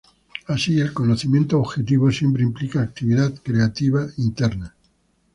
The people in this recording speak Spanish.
Así, el conocimiento objetivo siempre implica actividad creative interna.